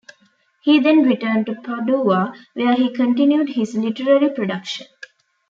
He then returned to Padua, where he continued his literary production.